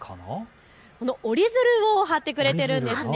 この折り鶴をはってくれているんです。